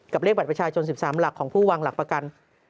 เลขบัตรประชาชน๑๓หลักของผู้วางหลักประกัน